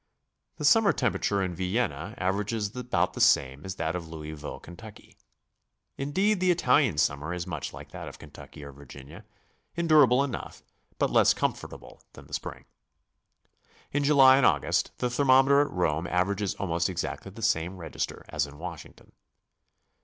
The summer temperature in Vienna averages about the same as that of Louisville, Ky. Indeed, the Italian summer is much like that of Kentucky or Virginia, endurable enough, but less comfortable than the spring. In July and August the thermometer at Rome averages almost exactly the same register as in Washington.